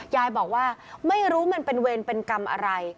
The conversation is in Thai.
ยายบอกว่าไม่รู้มันเป็นเวรเป็นกรรมอะไร